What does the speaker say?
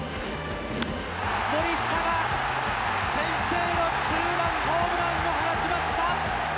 森下が先制のツーランホームランを放ちました。